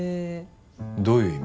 どういう意味？